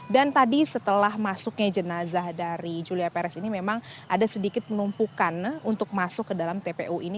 dan tadi setelah masuknya jenazah dari julia perez ini memang ada sedikit penumpukan untuk masuk ke dalam tpu ini